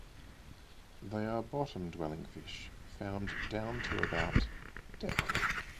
They are bottom-dwelling fish, found down to about depth.